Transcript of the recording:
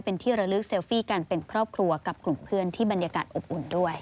เป็นที่ระลึกเซลฟี่กันเป็นครอบครัวกับกลุ่มเพื่อนที่บรรยากาศอบอุ่นด้วย